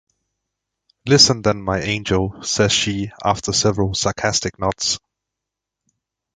"Listen then, my angel," says she after several sarcastic nods.